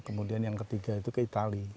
kemudian yang ketiga itu ke itali